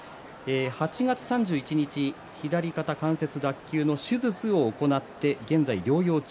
８月３１日、左肩関節脱臼の手術を行って現在療養中。